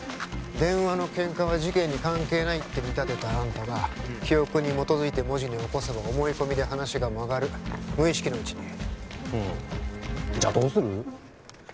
電話のケンカは事件に関係ないって見立てたあんたが記憶に基づいて文字に起こせば思い込みで話が曲がる無意識のうちにふんじゃあどうする？